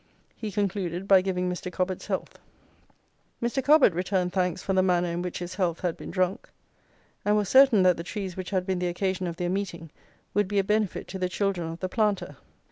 He concluded by giving Mr. Cobbett's health." "Mr. Cobbett returned thanks for the manner in which his health had been drunk, and was certain that the trees which had been the occasion of their meeting would be a benefit to the children of the planter.